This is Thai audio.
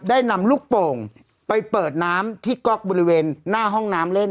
ได้นำลูกโป่งไปเปิดน้ำที่ก๊อกบริเวณหน้าห้องน้ำเล่น